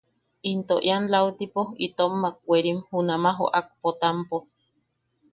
Into ian lautipo itommak werim junama joʼak Potampo.